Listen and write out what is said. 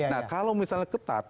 nah kalau misalnya ketat